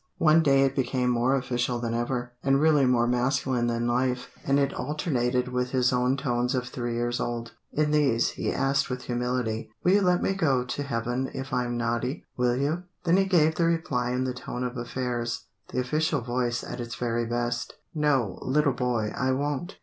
One day it became more official than ever, and really more masculine than life; and it alternated with his own tones of three years old. In these, he asked with humility, "Will you let me go to heaven if I'm naughty? Will you?" Then he gave the reply in the tone of affairs, the official voice at its very best: "No, little boy, I won't!"